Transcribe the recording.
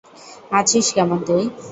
আছিস কেমন তুই?